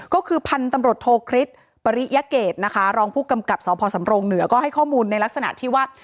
ก็คือพันธุ์ตำรวจโทคริสปริยเกตนะคะรองผู้กำกับสพสำรงเหนือก็ให้ข้อมูลในลักษณะที่ว่า